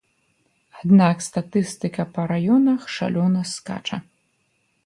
Аднак статыстыка па раёнах шалёна скача.